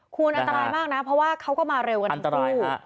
คุณอันตรายมากนะเพราะว่าเขาก็มาเร็วกันทั้งคู่